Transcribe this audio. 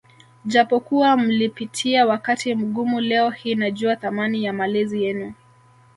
Japokuwa mlipitia wakati mgumu leo hii najua thamani ya malezi yenu